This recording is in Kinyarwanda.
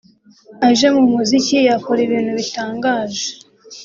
aje mu muziki yakora ibintu bitangaje